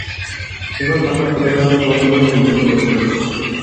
سىزنىڭ قانداق پىلانلىرىڭىز بارلىقىنى بىلگۈم كېلىۋاتىدۇ.